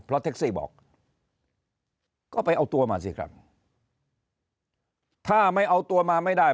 เพราะแท็กซี่บอกก็ไปเอาตัวมาสิครับถ้าไม่เอาตัวมาไม่ได้